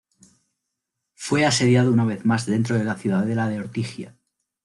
Fue asediado una vez más dentro de la ciudadela de Ortigia.